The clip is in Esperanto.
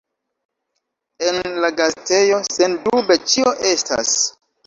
En la gastejo, sendube, ĉio estas.